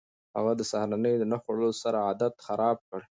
هغه د سهارنۍ نه خوړلو سره عادت خراب کړ.